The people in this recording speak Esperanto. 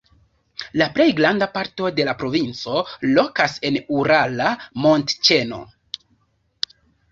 La plej granda parto de la provinco lokas en Urala montĉeno.